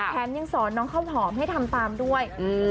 ยังสอนน้องข้าวหอมให้ทำตามด้วย